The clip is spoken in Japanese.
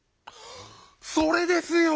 それですよ！